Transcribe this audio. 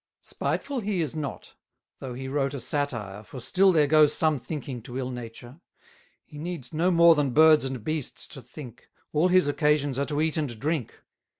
420 Spiteful he is not, though he wrote a satire, For still there goes some thinking to ill nature: He needs no more than birds and beasts to think, All his occasions are to eat and drink.